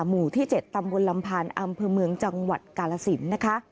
หมู่ที่๗ตำบลลำพานอำเภอเมืองจังหวัดกาลสินนะคะ